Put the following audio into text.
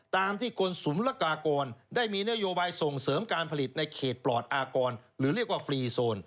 ตามที่กลสุมละกากรได้มีนโยบายส่งเสริมการผลิตในเขตปลอดอากรหรือเรียกว่าฟรีโซน